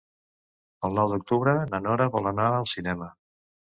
El nou d'octubre na Nora vol anar al cinema.